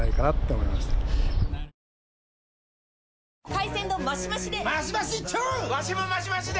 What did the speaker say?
海鮮丼マシマシで！